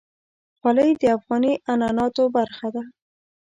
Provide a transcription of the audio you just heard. خولۍ د افغاني عنعناتو برخه ده.